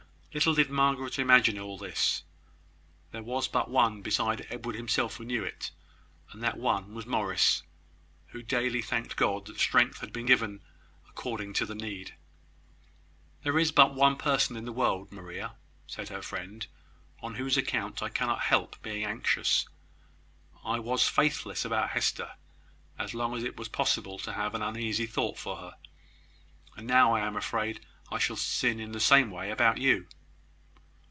Little did Margaret imagine all this. There was but one, beside Edward himself, who knew it; and that one was Morris, who daily thanked God that strength had been given according to the need. "There is but one person in the world, Maria," said her friend, "on whose account I cannot help being anxious. I was faithless about Hester as long as it was possible to have an uneasy thought for her; and now I am afraid I shall sin in the same way about you."